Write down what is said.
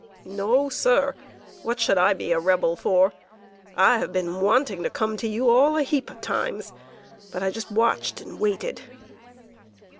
"No, sir! What should I be a Rebel for? I have been wanting to come to you all a heap of times; but I just watched and waited."